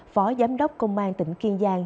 phó giám đốc công an tỉnh kiên giang